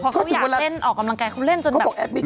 เพราะเขาอยากเล่นออกกำลังกายเขาเล่นจนแบบเขาเท่เลยอะโอเค